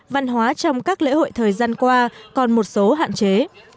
văn hóa trong các lễ hội thời gian qua còn một số hạn chế